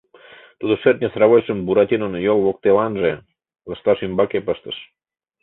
Тудо шӧртньӧ сравочшым Буратинон йол воктеланже, лышташ ӱмбаке пыштыш.